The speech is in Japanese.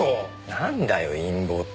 なんだよ陰謀って。